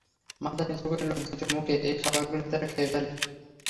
মাথা নিচু করে লজ্জিত মুখে এই খাবারগুলি তারা খেয়ে ফেলে।